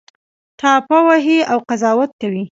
ټاپه وهي او قضاوت کوي